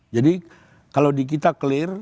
jadi kalau kita clear